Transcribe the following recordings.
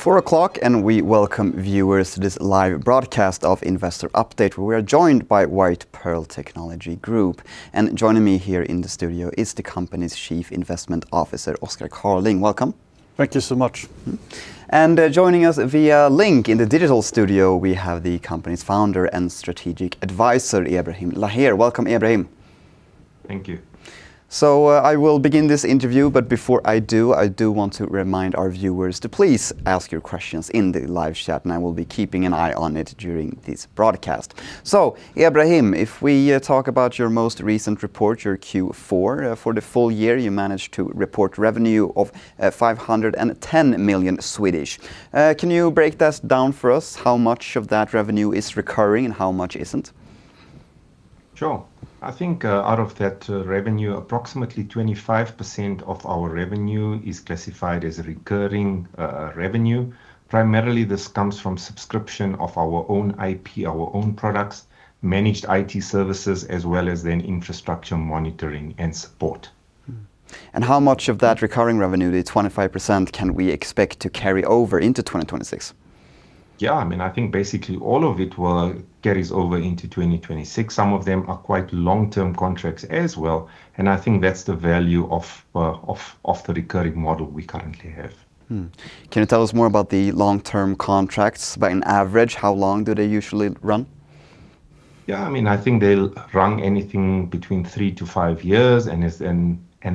0400 Hours, we welcome viewers to this live broadcast of Investor Update, where we are joined by White Pearl Technology Group. Joining me here in the studio is the company's Chief Investment Officer, Oskar Carling. Welcome. Thank you so much. Joining us via a link in the digital studio, we have the company's founder and strategic advisor, Ebrahim Laher. Welcome, Ebrahim. Thank you. So, I will begin this interview, but before I do, I do want to remind our viewers to please ask your questions in the live chat, and I will be keeping an eye on it during this broadcast. So, Ebrahim, if we talk about your most recent report, your Q4 for the full year, you managed to report revenue of 510 million. Can you break this down for us, how much of that revenue is recurring and how much isn't? Sure. I think, out of that, revenue, approximately 25% of our revenue is classified as recurring revenue. Primarily, this comes from subscription of our own IP, our own products, managed IT services, as well as then infrastructure monitoring and support. Mm. How much of that recurring revenue, the 25%, can we expect to carry over into 2026? Yeah, I mean, I think basically all of it will... carries over into 2026. Some of them are quite long-term contracts as well, and I think that's the value of, of, of the recurring model we currently have. Mm. Can you tell us more about the long-term contracts? By an average, how long do they usually run? Yeah, I mean, I think they'll run anything between three-five years, and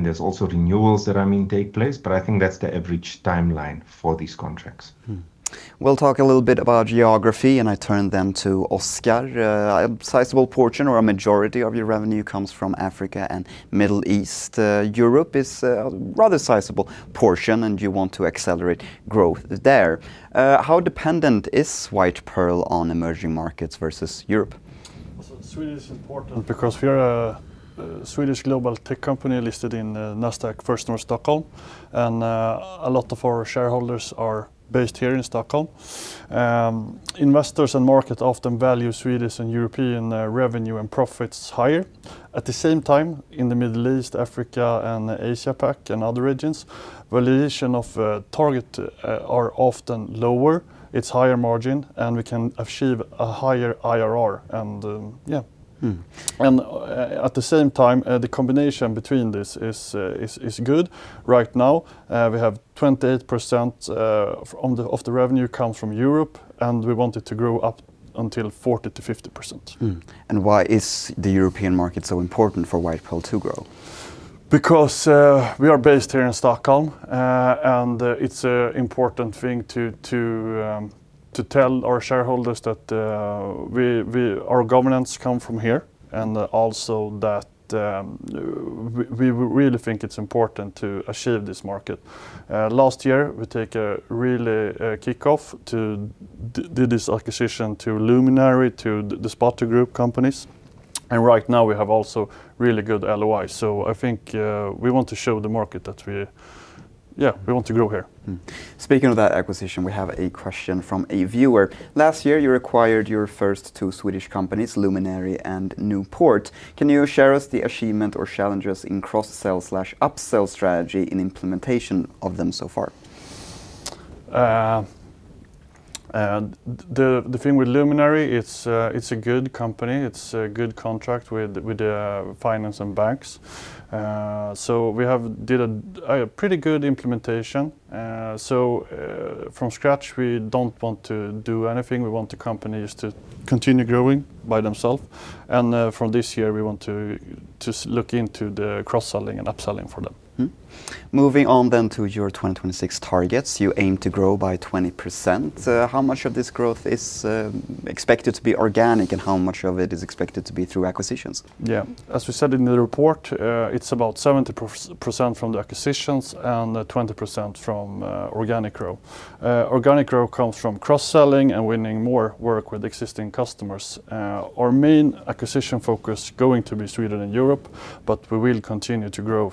there's also renewals that, I mean, take place, but I think that's the average timeline for these contracts. We'll talk a little bit about geography, and I turn then to Oskar. A sizable portion or a majority of your revenue comes from Africa and Middle East. Europe is a rather sizable portion, and you want to accelerate growth there. How dependent is White Pearl on emerging markets versus Europe? So Sweden is important because we're a Swedish global tech company listed in Nasdaq First North Stockholm, and a lot of our shareholders are based here in Stockholm. Investors and market often value Swedish and European revenue and profits higher. At the same time, in the Middle East, Africa, and Asia Pac, and other regions, valuation of target are often lower. It's higher margin, and we can achieve a higher IRR, and. Mm. At the same time, the combination between this is good. Right now, we have 28% of the revenue comes from Europe, and we want it to grow up until 40%-50%. Why is the European market so important for White Pearl to grow? Because we are based here in Stockholm, and it's an important thing to tell our shareholders that our governance come from here, and also that we really think it's important to achieve this market. Last year, we take a really kickoff to do this acquisition to Lumin4ry, to the Spotr Group companies, and right now we have also really good LOI. So I think we want to show the market that we... Yeah, we want to grow here. Speaking of that acquisition, we have a question from a viewer. Last year, you acquired your first two Swedish companies, Lumin4ry and Nuport. Can you share us the achievement or challenges in cross-sell/upsell strategy and implementation of them so far? The thing with Lumin4ry, it's a good company. It's a good contract with the finance and banks. So we have did a pretty good implementation. So, from scratch, we don't want to do anything, we want the companies to continue growing by themselves. And, from this year we want to look into the cross-selling and upselling for them. Moving on then to your 2026 targets, you aim to grow by 20%. How much of this growth is expected to be organic, and how much of it is expected to be through acquisitions? Yeah. As we said in the report, it's about 70% from the acquisitions and 20% from organic growth. Organic growth comes from cross-selling and winning more work with existing customers. Our main acquisition focus going to be Sweden and Europe, but we will continue to grow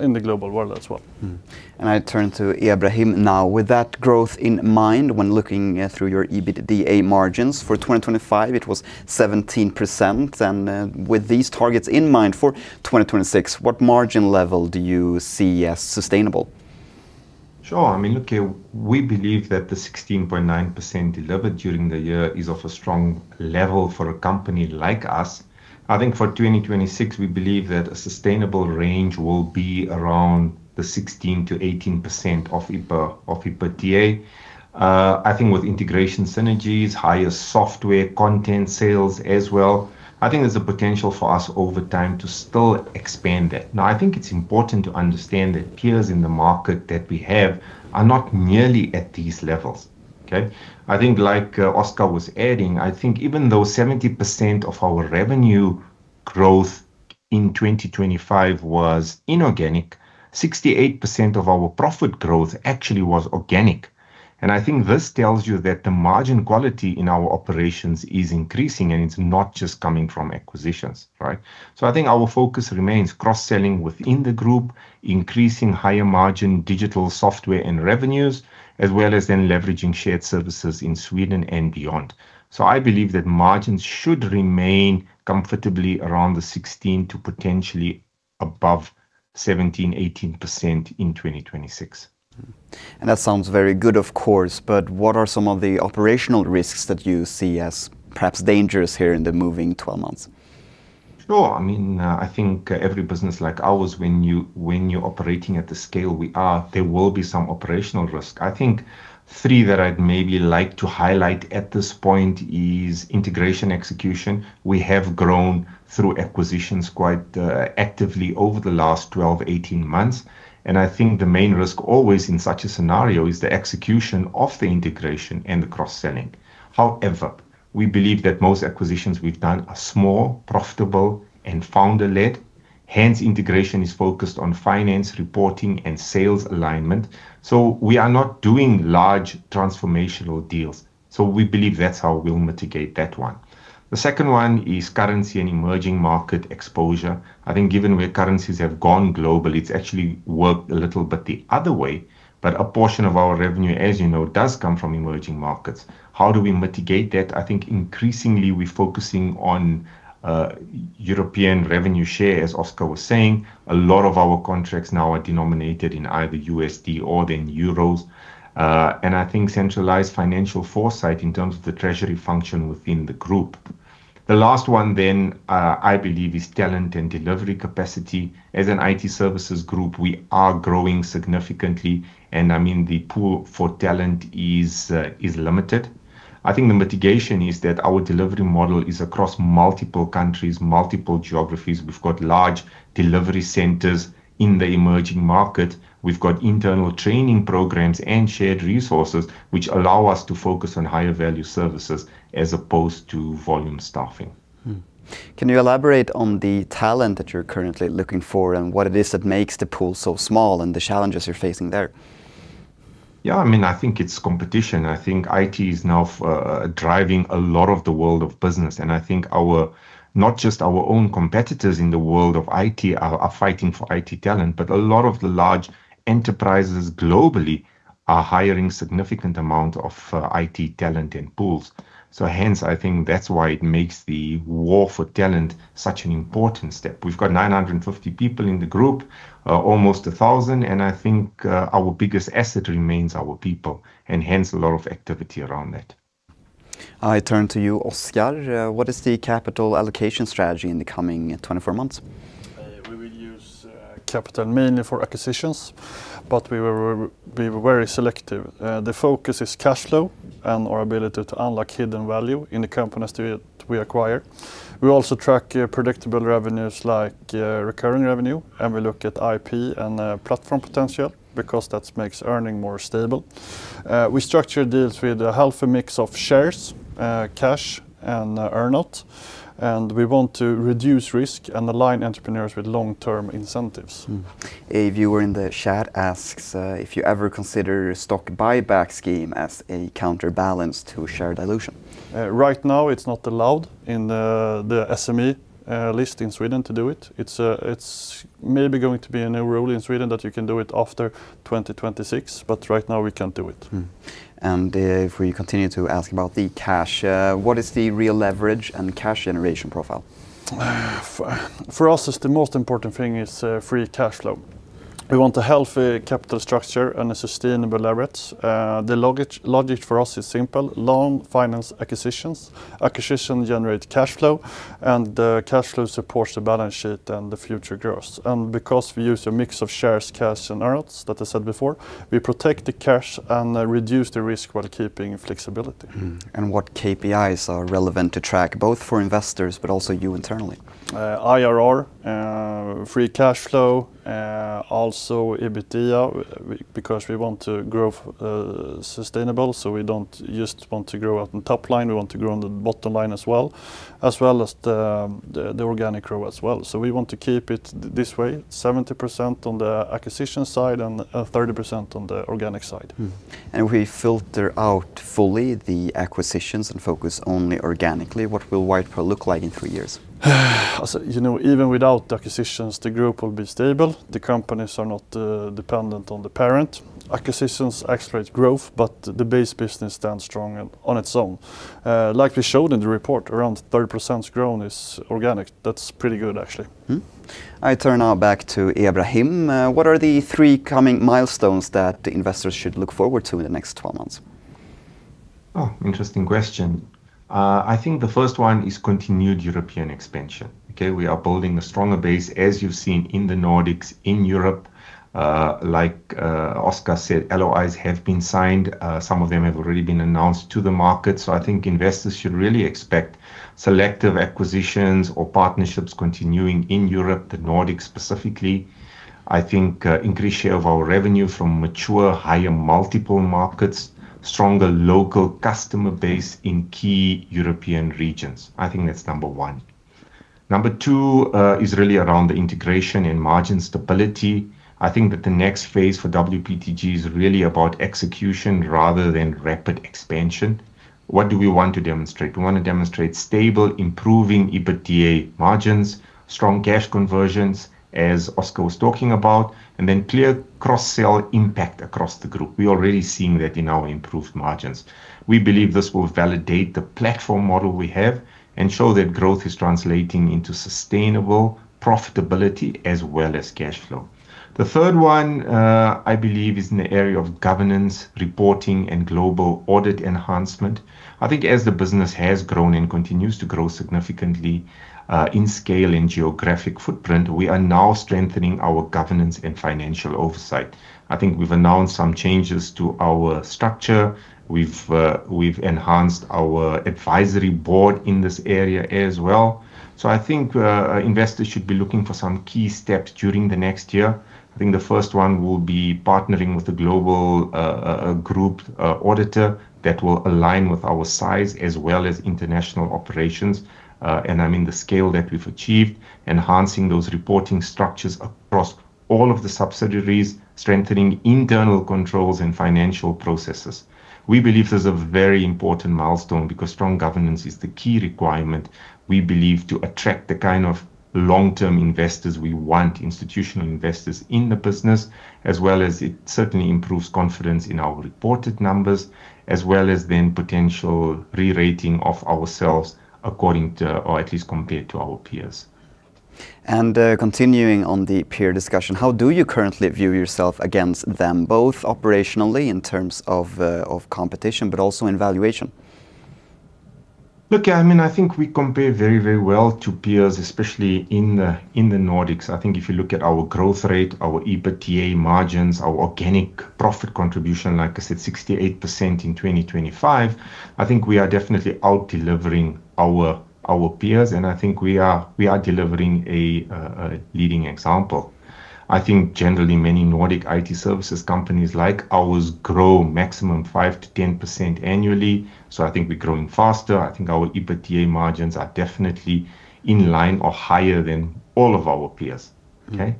in the global world as well. I turn to Ebrahim now. With that growth in mind, when looking through your EBITDA margins, for 2025, it was 17%, and with these targets in mind, for 2026, what margin level do you see as sustainable? Sure. I mean, look, we believe that the 16.9% delivered during the year is of a strong level for a company like us. I think for 2026, we believe that a sustainable range will be around the 16%-18% of EBITDA, of EBITDA. I think with integration synergies, higher software content sales as well, I think there's a potential for us over time to still expand that. Now, I think it's important to understand that peers in the market that we have are not nearly at these levels, okay? I think, like, Oskar was adding, I think even though 70% of our revenue growth in 2025 was inorganic, 68% of our profit growth actually was organic, and I think this tells you that the margin quality in our operations is increasing, and it's not just coming from acquisitions, right? So I think our focus remains cross-selling within the group, increasing higher margin digital software and revenues, as well as then leveraging shared services in Sweden and beyond. So I believe that margins should remain comfortably around the 16%-potentially 18%-... above 17%-18% in 2026. That sounds very good, of course, but what are some of the operational risks that you see as perhaps dangerous here in the moving 12 months? Sure. I mean, I think every business like ours, when you, when you're operating at the scale we are, there will be some operational risk. I think three that I'd maybe like to highlight at this point is integration, execution. We have grown through acquisitions quite, actively over the last 12-18 months, and I think the main risk always in such a scenario is the execution of the integration and the cross-selling. However, we believe that most acquisitions we've done are small, profitable, and founder-led, hence, integration is focused on finance, reporting, and sales alignment. So we are not doing large transformational deals, so we believe that's how we'll mitigate that one. The second one is currency and emerging market exposure. I think given where currencies have gone globally, it's actually worked a little bit the other way, but a portion of our revenue, as you know, does come from emerging markets. How do we mitigate that? I think increasingly we're focusing on European revenue share, as Oskar was saying. A lot of our contracts now are denominated in either USD or in euros, and I think centralized financial foresight in terms of the treasury function within the group. The last one then, I believe, is talent and delivery capacity. As an IT services group, we are growing significantly, and I mean, the pool for talent is limited. I think the mitigation is that our delivery model is across multiple countries, multiple geographies. We've got large delivery centers in the emerging market. We've got internal training programs and shared resources, which allow us to focus on higher value services as opposed to volume staffing. Mm. Can you elaborate on the talent that you're currently looking for and what it is that makes the pool so small and the challenges you're facing there? Yeah, I mean, I think it's competition. I think IT is now driving a lot of the world of business, and I think our... not just our own competitors in the world of IT are, are fighting for IT talent, but a lot of the large enterprises globally are hiring significant amount of IT talent and pools. So hence, I think that's why it makes the war for talent such an important step. We've got 950 people in the group, almost 1,000, and I think, our biggest asset remains our people, and hence a lot of activity around that. I turn to you, Oskar. What is the capital allocation strategy in the coming 24 months? We will use capital mainly for acquisitions, but we will be very selective. The focus is cash flow and our ability to unlock hidden value in the companies that we acquire. We also track predictable revenues, like recurring revenue, We want a healthy capital structure and a sustainable leverage. The logic for us is simple: long finance acquisitions. Acquisition generate cash flow, and the cash flow supports the balance sheet and the future growth. And because we use a mix of shares, cash, and earn-outs, that I said before, we protect the cash and reduce the risk while keeping flexibility. What KPIs are relevant to track, both for investors but also you internally? IRR, free cash flow, also EBITDA, because we want to grow sustainable, so we don't just want to grow on top line, we want to grow on the bottom line as well, as well as the organic growth as well. So we want to keep it this way, 70% on the acquisition side and 30% on the organic side. We filter out fully the acquisitions and focus only organically, what will White Pearl look like in three years? So, you know, even without acquisitions, the group will be stable. The companies are not dependent on the parent. Acquisitions accelerate growth, but the base business stands strong on its own. Like we showed in the report, around 30% growth is organic. That's pretty good, actually. I turn now back to Ebrahim. What are the three coming milestones that the investors should look forward to in the next 12 months? Oh, interesting question. I think the first one is continued European expansion. Okay, we are building a stronger base, as you've seen in the Nordics, in Europe. Like, Oskar said, LOIs have been signed. Some of them have already been announced to the market. I think investors should really expect selective acquisitions or partnerships continuing in Europe, the Nordics specifically. I think increased share of our revenue from mature, higher multiple markets, stronger local customer base in key European regions. I think that's number one. Number two is really around the integration and margin stability. I think that the next phase for WPTG is really about execution rather than rapid expansion. What do we want to demonstrate? We want to demonstrate stable, improving EBITDA margins, strong cash conversions, as Oskar was talking about, and then clear cross-sell impact across the group. We're already seeing that in our improved margins. We believe this will validate the platform model we have and show that growth is translating into sustainable profitability as well as cash flow. The third one, I believe, is in the area of governance, reporting, and global audit enhancement. I think as the business has grown and continues to grow significantly, in scale and geographic footprint, we are now strengthening our governance and financial oversight. I think we've announced some changes to our structure. We've enhanced our advisory board in this area as well. So I think, investors should be looking for some key steps during the next year. I think the first one will be partnering with the global group auditor that will align with our size, as well as international operations. I mean the scale that we've achieved, enhancing those reporting structures across all of the subsidiaries, strengthening internal controls and financial processes. We believe this is a very important milestone, because strong governance is the key requirement, we believe, to attract the kind of long-term investors we want, institutional investors in the business, as well as it certainly improves confidence in our reported numbers, as well as then potential re-rating of ourselves according to... or at least compared to our peers. Continuing on the peer discussion, how do you currently view yourself against them, both operationally in terms of competition, but also in valuation? Look, I mean, I think we compare very, very well to peers, especially in the Nordics. I think if you look at our growth rate, our EBITDA margins, our organic profit contribution, like I said, 68% in 2025, I think we are definitely out-delivering our peers, and I think we are delivering a leading example. I think generally, many Nordic IT services companies like ours grow maximum 5%-10% annually, so I think we're growing faster. I think our EBITDA margins are definitely in line or higher than all of our peers. Mm. Okay?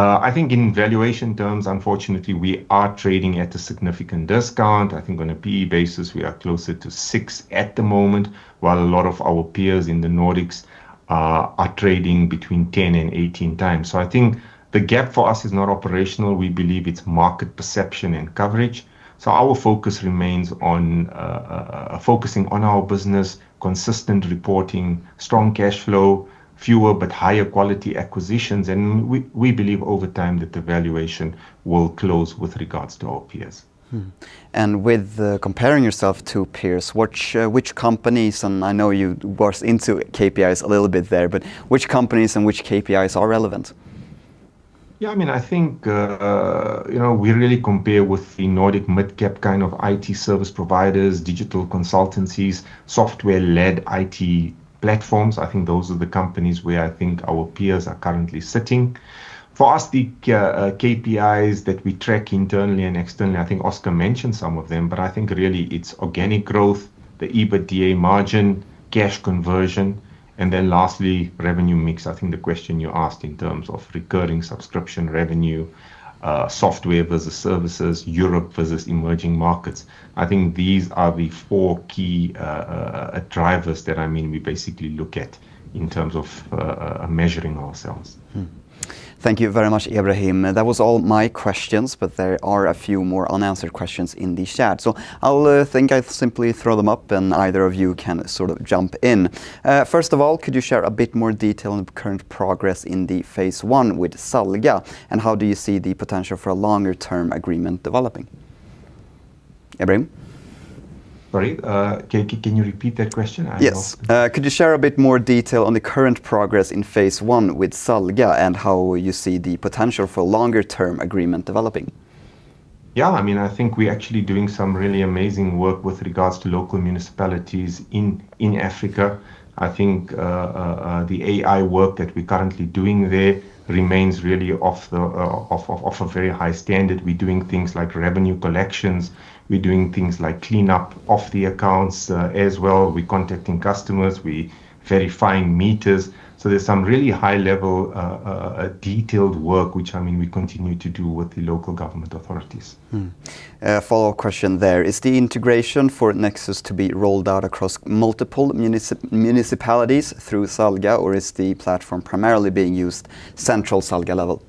I think in valuation terms, unfortunately, we are trading at a significant discount. I think on a PE basis, we are closer to six at the moment, while a lot of our peers in the Nordics are trading between 10-18x. So I think the gap for us is not operational. We believe it's market perception and coverage, so our focus remains on focusing on our business, consistent reporting, strong cash flow, fewer but higher quality acquisitions, and we believe over time that the valuation will close with regards to our peers. And with comparing yourself to peers, which, which companies, and I know you burst into KPIs a little bit there, but which companies and which KPIs are relevant? Yeah, I mean, I think, you know, we really compare with the Nordic mid-cap kind of IT service providers, digital consultancies, software-led IT platforms. I think those are the companies where I think our peers are currently sitting. For us, the KPIs that we track internally and externally, I think Oskar mentioned some of them, but I think really it's organic growth, the EBITDA margin, cash conversion, and then lastly, revenue mix. I think the question you asked in terms of recurring subscription revenue, software versus services, Europe versus emerging markets, I think these are the four key drivers that, I mean, we basically look at in terms of measuring ourselves. Thank you very much, Ebrahim. That was all my questions, but there are a few more unanswered questions in the chat. So I'll think I'll simply throw them up, and either of you can sort of jump in. First of all, could you share a bit more detail on the current progress in the Phase 1 with SALGA, and how do you see the potential for a longer term agreement developing? Ebrahim? Sorry, can you repeat that question? I... Yes. Could you share a bit more detail on the current progress in Phase 1 with SALGA, and how you see the potential for longer-term agreement developing? Yeah, I mean, I think we're actually doing some really amazing work with regards to local municipalities in Africa. I think the AI work that we're currently doing there remains really of a very high standard. We're doing things like revenue collections. We're doing things like clean up of the accounts as well. We're contacting customers. We're verifying meters. So there's some really high level detailed work, which, I mean, we continue to do with the local government authorities. A follow-up question there: Is the integration for Nexus to be rolled out across multiple municipalities through SALGA, or is the platform primarily being used central SALGA level?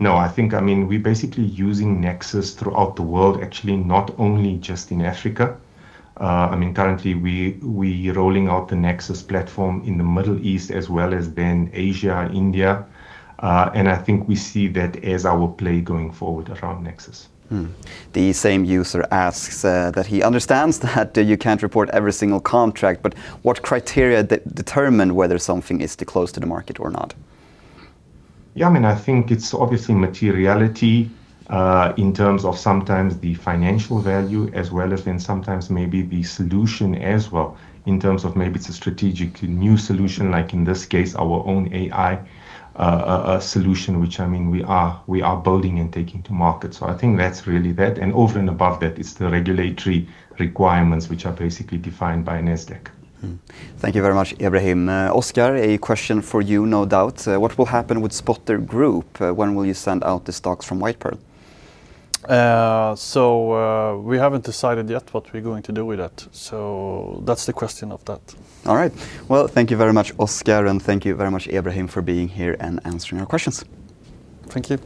No, I think, I mean, we're basically using Nexus throughout the world, actually, not only just in Africa. I mean, currently we rolling out the Nexus platform in the Middle East as well as then Asia and India. And I think we see that as our play going forward around Nexus. The same user asks that he understands that you can't report every single contract, but what criteria determine whether something is too close to the market or not? Yeah, I mean, I think it's obviously materiality, in terms of sometimes the financial value, as well as then sometimes maybe the solution as well, in terms of maybe it's a strategically new solution, like in this case, our own AI solution, which, I mean, we are, we are building and taking to market. So I think that's really that, and over and above that, it's the regulatory requirements, which are basically defined by Nasdaq. Thank you very much, Ebrahim. Oskar, a question for you, no doubt. What will happen with Spotr Group? When will you send out the stocks from White Pearl? So, we haven't decided yet what we're going to do with that, so that's the question of that. All right. Well, thank you very much, Oskar, and thank you very much, Ebrahim, for being here and answering our questions. Thank you.